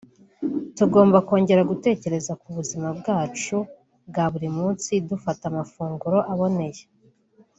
tugomba kongera gutekereza ku buzima bwacu bwa buri munsi dufata amafunguro aboneye